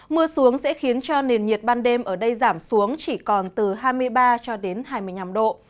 mưa xuống sẽ khiến cho nền nhiệt ban đêm ở đây giảm xuống chỉ còn từ hai mươi ba cho đến hai mươi năm độ